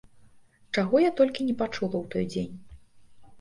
Чаго я толькі не пачула ў той дзень.